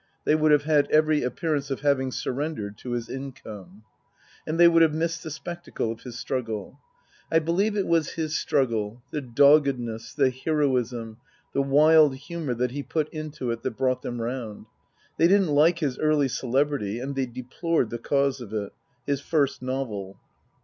They would have had every appearance of having surrendered to his income. And they would have missed the spectacle of his struggle. I believe it was his struggle, the doggedness, the heroism, the wild humour that he put into it that brought them round. They didn't like his early celebrity and they deplored the cause of it his first novel.